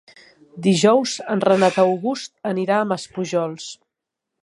Dijous en Renat August anirà a Maspujols.